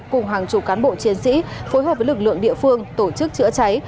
cùng hàng chục cán bộ chiến sĩ phối hợp với lực lượng địa phương tổ chức chữa cháy